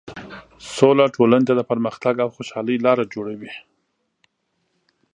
سوله ټولنې ته د پرمختګ او خوشحالۍ لاره جوړوي.